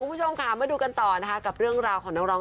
คุณผู้ชมค่ะมาดูกันต่อนะคะกับเรื่องราวของน้องร้อง